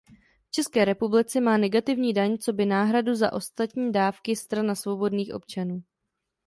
V České republice má negativní daň coby náhradu za ostatní dávky Strana svobodných občanů.